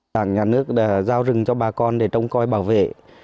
đảng nhà nước đã giao rừng cho bà con để trông coi bảo vệ